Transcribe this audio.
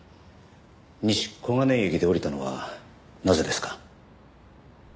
西小金井駅で降りたのはなぜですか？